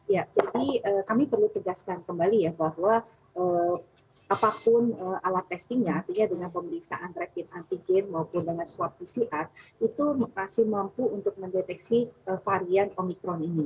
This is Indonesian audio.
ya jadi kami perlu tegaskan kembali ya bahwa apapun alat testingnya artinya dengan pemeriksaan rapid antigen maupun dengan swab pcr itu masih mampu untuk mendeteksi varian omikron ini